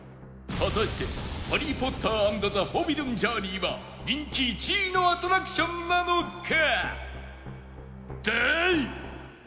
果たしてハリー・ポッター・アンド・ザ・フォービドゥン・ジャーニーは人気１位のアトラクションなのか？